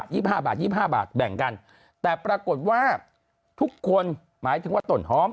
คนละ๒๕บาท๒๕บาท๒๕บาทแบ่งกันแต่ปรากฏว่าทุกคนหมายถึงว่าต่นหอม